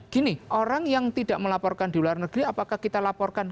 gini orang yang tidak melaporkan di luar negeri apakah kita laporkan